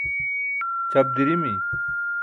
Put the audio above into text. ćʰap dirimi